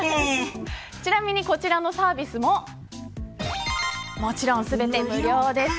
ちなみにこちらのサービスももちろん全て無料です。